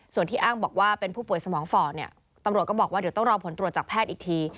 ส่วนที่อ้างบอกว่าเป็นผู้ป่วยสมองฝ่อเนี่ยตำรวจก็บอกว่าเดี๋ยวต้องรอผลตรวจจากแพทย์อีกที